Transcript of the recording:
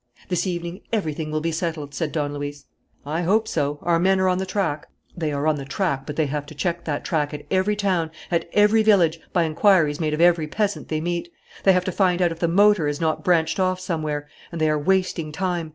"This evening everything will be settled," said Don Luis. "I hope so. Our men are on the track." "They are on the track, but they have to check that track at every town, at every village, by inquiries made of every peasant they meet; they have to find out if the motor has not branched off somewhere; and they are wasting time.